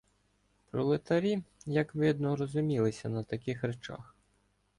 "Пролетарі", як видно, розумілися на таких речах.